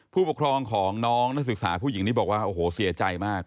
ผู้ปกครองของน้องนักศึกษาผู้หญิงนี้บอกว่าโอ้โหเสียใจมาก